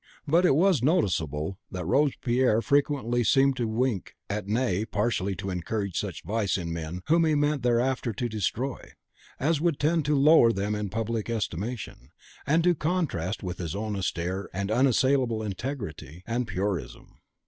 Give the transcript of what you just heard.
But it was noticeable that Robespierre frequently seemed to wink at nay, partially to encourage such vice in men whom he meant hereafter to destroy, as would tend to lower them in the public estimation, and to contrast with his own austere and unassailable integrity and PURISM.